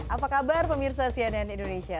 apa kabar pemirsa cnn indonesia